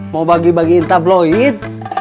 mau bagi bagiin tabloid